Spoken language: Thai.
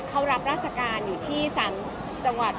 เขารับราชการอยู่ที่สารจังหวัด